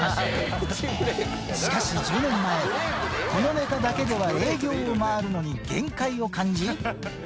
しかし１０年前、このネタだけでは営業を回るのに限界を感じ。